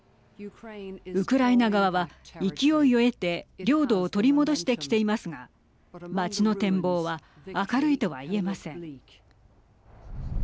ウクライナ側は、勢いを得て領土を取り戻してきていますが街の展望は明るいとは言えません。